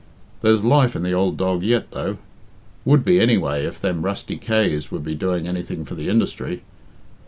There's life in the ould dog yet, though. Would be, anyway, if them rusty Kays would be doing anything for the industry.